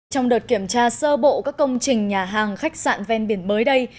trong đợt kiểm tra sơ bộ các công trình nhà hàng khách sạn ven biển mới đây